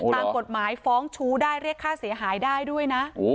ตามกฎหมายฟ้องชู้ได้เรียกค่าเสียหายได้ด้วยนะ